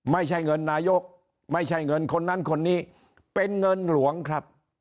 ไม่ใช่เงินนายกไม่ใช่เงินคนนั้นคนนี้เป็นเงินหลวงครับ